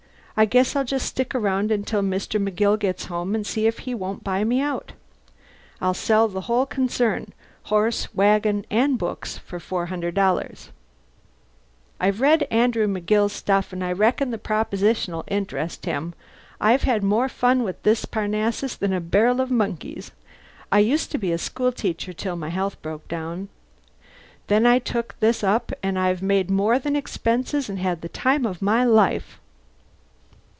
I guess I'll just stick around until Mr. McGill gets home and see if he won't buy me out. I'll sell the whole concern, horse, wagon, and books, for $400. I've read Andrew McGill's stuff and I reckon the proposition'll interest him. I've had more fun with this Parnassus than a barrel of monkeys. I used to be a school teacher till my health broke down. Then I took this up and I've made more than expenses and had the time of my life."